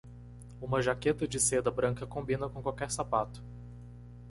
Uma jaqueta de seda branca combina com qualquer sapato.